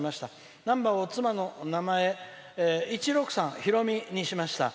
ナンバーを妻の名前１６３、ひろみにしました」。